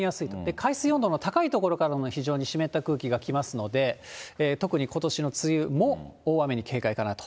海水温度の高い所からの非常に湿った空気が来ますので、特に、ことしの梅雨も大雨に警戒かなと。